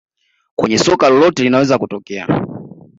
Kwenye soka lolote linaweza kutokea